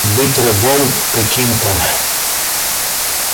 Быть рабом каким-то!